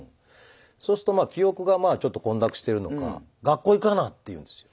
そうするとまあ記憶がちょっと混濁してるのか「学校行かな」って言うんですよ。